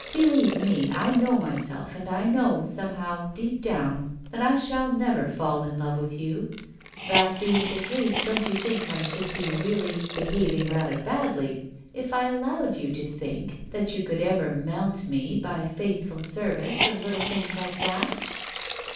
Believe me, I know myself, and I know, somehow, deep down, that I shall never fall in love with you. That being the case, don't you think I should be really behaving rather badly if I allowed you to think that you could ever melt me by faithful service, and little things like that